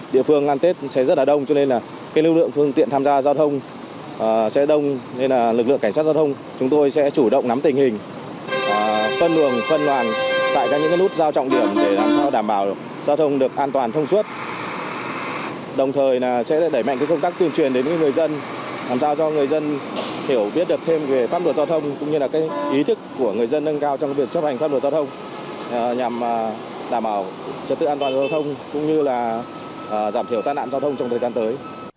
đồng thời sẽ đẩy mạnh công tác tuyên truyền đến người dân làm sao cho người dân hiểu biết được thêm về pháp luật giao thông cũng như là ý thức của người dân nâng cao trong việc chấp hành pháp luật giao thông nhằm đảm bảo chất tự an toàn giao thông cũng như là giảm thiểu tai nạn giao thông trong thời gian tới